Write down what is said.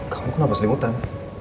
kamu kenapa sedih hutan